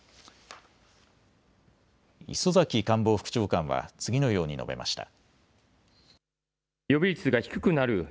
磯崎官房副長官は次のように述べました。